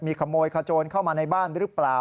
ขโมยขโจรเข้ามาในบ้านหรือเปล่า